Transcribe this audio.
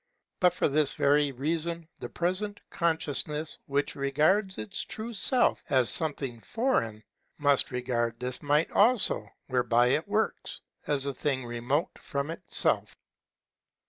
But for this very reason the present Consciousness, which regards its true Self as something foreign, must regard this might also, whereby it works, as a thing remote from itself.